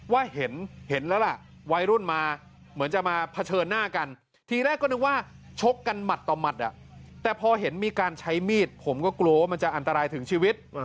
ว่าเห็นแล้วล่ะวัยรุ่นมาเหมือนจะมาเผชิญหน้ากันทีแรกก็นึกว่าชกกันหมัดต่อหมัดอ่ะแต่พอเห็นมีการใช้มีดผมก็กลัวว่ามันจะอันตรายถึงชีวิต